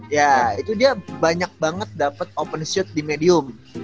ya itu dia banyak banget dapat open shoot di medium